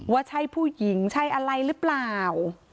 ว่าใช่ผู้หญิงใช่อะไรหรือเปล่า